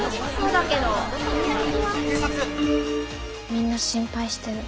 みんな心配してる。